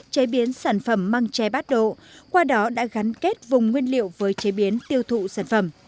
chế biến sản phẩm măng tre bát độ qua đó đã gắn kết vùng nguyên liệu với chế biến tiêu thụ sản phẩm